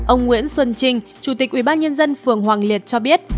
ông nguyễn xuân trinh chủ tịch ubnd phường hoàng liệt cho biết